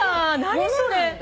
何それ？